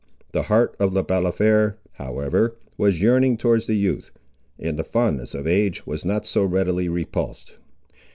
The heart of Le Balafré, however, was yearning towards the youth, and the fondness of age was not so readily repulsed.